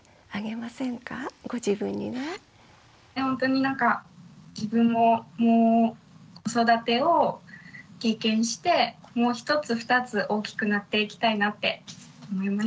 ほんとになんか自分も子育てを経験してもう一つ二つ大きくなっていきたいなって思いました。